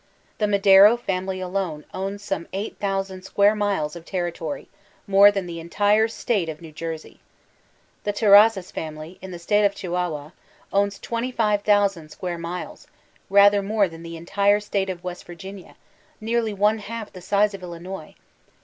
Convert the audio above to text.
The Madero family alone owns some Sjooo square miles of territory; more than the entire state of New Jersey. The Terrazas family, in the state of Chihuahua, owns 2SfiOO square miles; rather more than the entire state of West Virginia, nearly one half the size of Illi nois.